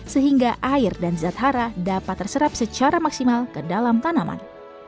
sehingga air dan zat hara dapat terserap secara maksimal ke dalam tanaman